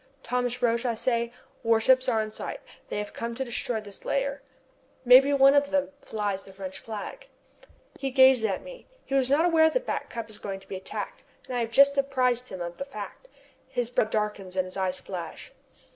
"Thomas Roch," I say, "warships are in sight. They have come to destroy this lair. Maybe one of them flies the French flag!" He gazes at me. He was not aware that Back Cup is going to be attacked, and I have just apprised him of the fact. His brow darkens and his eyes flash.